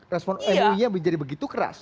respon mui nya menjadi begitu keras